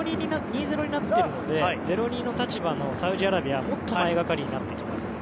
２−０になっているので０−２の立場のサウジアラビアはもっと前がかりになってきます。